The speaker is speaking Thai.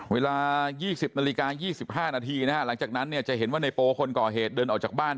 เวลา๒๐นาฬิกา๒๕นาทีนะฮะหลังจากนั้นเนี่ยจะเห็นว่าในโปคนก่อเหตุเดินออกจากบ้าน